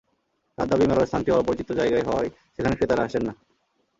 তাঁর দাবি, মেলার স্থানটি অপরিচিত জায়গায় হওয়ায় এখানে ক্রেতারা আসছেন না।